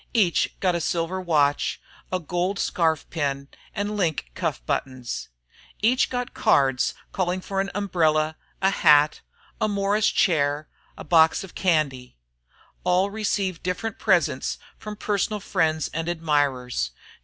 Each got a silver watch, a gold scarf pin, and link cuff buttons. Each got cards calling for an umbrella, a hat, a Morris chair, a box of candy. All received different presents from personal friends and admirers.